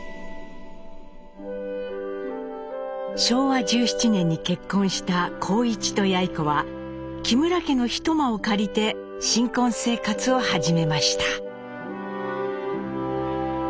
昭和１７年に結婚した幸一とやい子は木村家の一間を借りて新婚生活を始めました。